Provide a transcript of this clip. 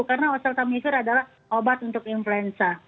karena oseltamivir adalah obat untuk influenza